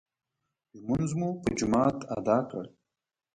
لمونځ مو په جماعت ادا کړ.